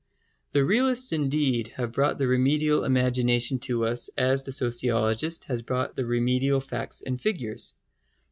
The realists indeed have brought the remedial imagination to us as the sociologist has brought the remedial facts and figures.